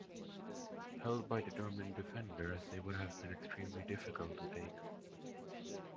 Held by determined defenders, they would have been extremely difficult to take.